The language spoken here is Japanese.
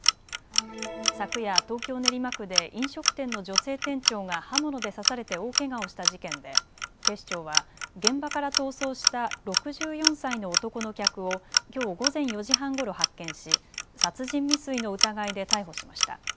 昨夜、東京練馬区で飲食店の女性店長が刃物で刺されて大けがをした事件で警視庁は現場から逃走した６４歳の男の客をきょう午前４時半ごろ発見し殺人未遂の疑いで逮捕しました。